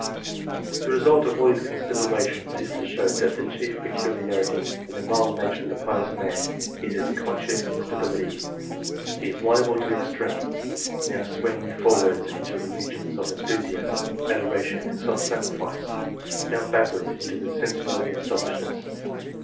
The result of all these considerations is to show that the chief peculiarity in the moral nature of the pious man is its conscious instability. He is liable to extremes now swinging forwards into regions of enthusiasm, adoration, and self sacrifice ; now backwards into those of sensuality and selfishness.